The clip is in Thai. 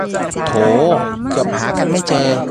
โถ เกือบหากันไม่เจอ